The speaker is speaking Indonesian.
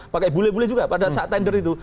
pakai bule bule juga pada saat tender itu